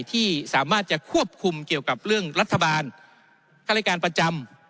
ที่สามารถจะควบคุมเกี่ยวกับเรื่องรัฐบาลค่ารายการประจำ